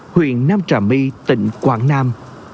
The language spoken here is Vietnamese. huyện nam trà my tỉnh quảng nam